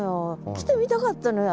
来てみたかったのよ